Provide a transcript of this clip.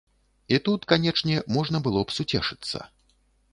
І тут, канечне, можна было б суцешыцца.